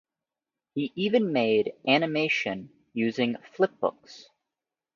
He even made animation using flip-books.